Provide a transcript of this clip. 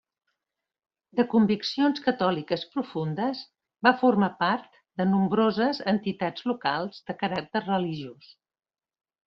De conviccions catòliques profundes, va formar part de nombroses entitats locals de caràcter religiós.